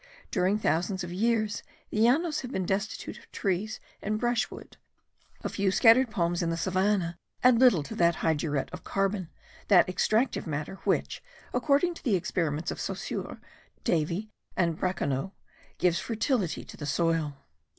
During thousands of years the Llanos have been destitute of trees and brushwood; a few scattered palms in the savannah add little to that hydruret of carbon, that extractive matter, which, according to the experiments of Saussure, Davy, and Braconnot, gives fertility to the soil.